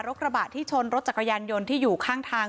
กระบะที่ชนรถจักรยานยนต์ที่อยู่ข้างทาง